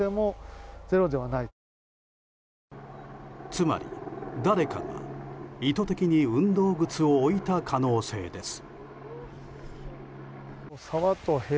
つまり、誰かが意図的に運動靴を置いた可能性です。